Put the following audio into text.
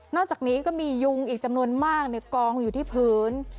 อกจากนี้ก็มียุงอีกจำนวนมากกองอยู่ที่พื้น